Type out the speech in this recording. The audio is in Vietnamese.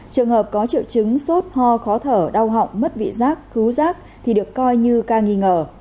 trường hợp có triệu chứng sốt ho khó thở đau họng mất vị giác cứu giác thì được coi như ca nghi ngờ